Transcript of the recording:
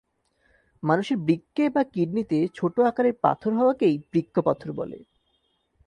মানুষের বৃক্কে বা কিডনিতে ছোট আকারের পাথর হওয়াকেই বৃক্ক পাথর বলে।